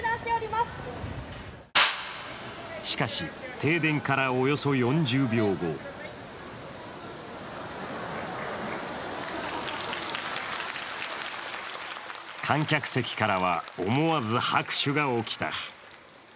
しかし、停電からおよそ４０秒後観客席からは思わず拍手が起きた。